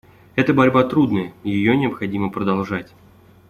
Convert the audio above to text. Эта борьба трудная, и ее необходимо продолжать.